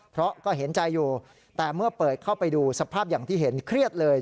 เพราะก็เห็นใจอยู่แต่เมื่อเปิดเข้าไปดูสภาพอย่างที่เห็นเครียดเลย